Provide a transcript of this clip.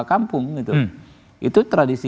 kampung itu itu tradisi